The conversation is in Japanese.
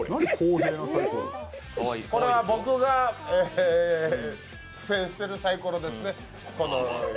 これは僕が苦戦してるサイコロですね。